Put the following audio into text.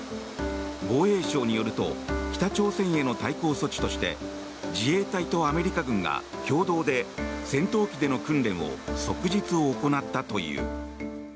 防衛省によると北朝鮮への対抗措置として自衛隊とアメリカ軍が共同で戦闘機での訓練を即日行ったという。